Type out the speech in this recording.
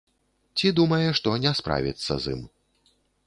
Ці думае, што не справіцца з ім.